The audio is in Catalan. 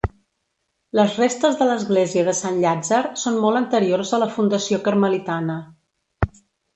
Les restes de l'església de Sant Llàtzer són molt anteriors a la fundació carmelitana.